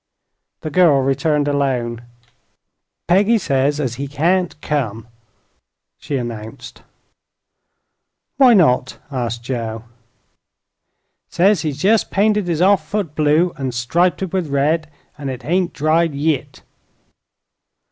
The girl returned alone. "Peggy says as he can't come," she announced. "Why not?" asked Joe. "Says he's jest painted his off foot blue an' striped it with red, an' it hain't dried yit."